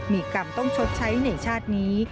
มีกรรมต้องชดใช้ในชาตินี้